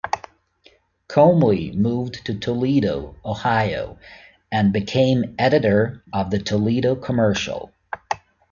Comly moved to Toledo, Ohio, and became editor of the "Toledo Commercial".